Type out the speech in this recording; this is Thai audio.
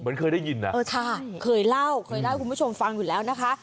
เหมือนเคยได้ยินอ่ะเออใช่เคยเล่าคุณผู้ชมฟังอยู่แล้วนะคะ